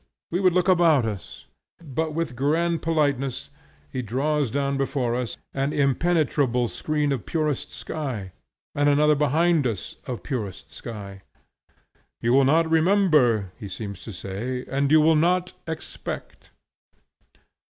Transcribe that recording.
We would look about us, but with grand politeness he draws down before us an impenetrable screen of purest sky, and another behind us of purest sky. 'You will not remember,' he seems to say, `and you will not expect.'